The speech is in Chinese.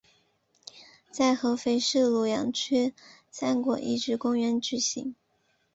在合肥市庐阳区三国遗址公园举行。